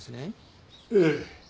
ええ。